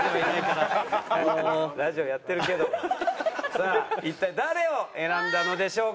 さあ一体誰を選んだのでしょうか？